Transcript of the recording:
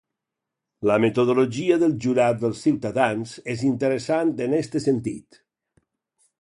La metodologia del jurat dels ciutadans és interessant en este sentit.